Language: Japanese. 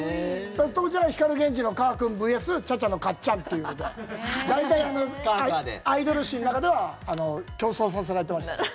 当時は光ＧＥＮＪＩのかーくんＶＳＣＨＡ−ＣＨＡのかっちゃんということで大体、アイドル誌の中では競争させられてましたね。